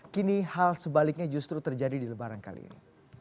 kini hal sebaliknya justru terjadi di lebaran kali ini